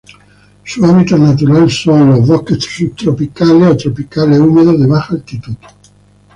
Sus hábitats naturales son: bosques subtropicales o tropicales húmedos de baja altitud.